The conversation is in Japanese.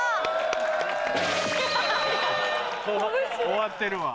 終わってるわ。